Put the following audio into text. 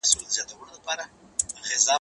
زه هره ورځ مېوې راټولوم،